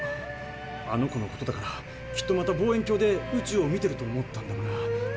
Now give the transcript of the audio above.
あの子のことだからきっとまた望遠鏡で宇宙を見てると思ったんだがな。